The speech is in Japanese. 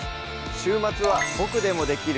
週末は「ボクでもできる！